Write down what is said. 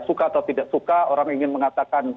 suka atau tidak suka orang ingin mengatakan